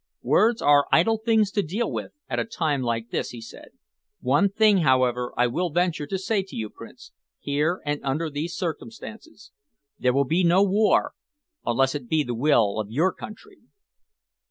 "Words are idle things to deal with at a time like this," he said. "One thing, however, I will venture to say to you, Prince, here and under these circumstances. There will be no war unless it be the will of your country."